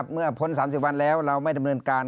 เมื่อพ้น๓๐วันแล้วเราไม่ได้บริเวณการ